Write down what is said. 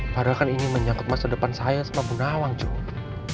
padahal kan ingin menyangkut masa depan saya sama bu nawang joe